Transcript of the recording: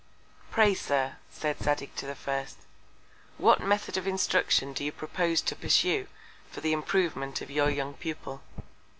Pray Sir, said Zadig to the first, what Method of Instruction do you propose to pursue for the Improvement of your young Pupil?